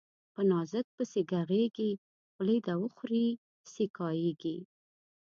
په نازک پسي ږغېږي، خولې ده وخوري سي ګايږي